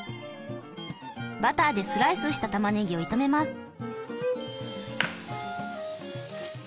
バターでスライスしたたまねぎを炒めます。